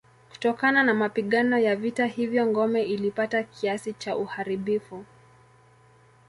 Kutokana na mapigano ya vita hivyo ngome ilipata kiasi cha uharibifu.